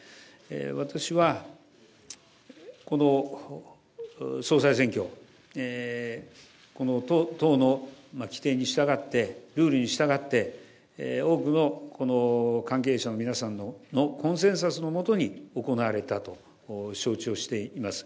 私は、この総裁選挙、この党の規定に従って、ルールに従って、多くの関係者の皆さんのコンセンサスのもとに行われたと承知をしています。